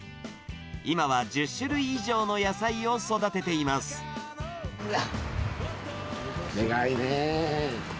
今は１０種類以上の野菜を育ててでかいねぇ。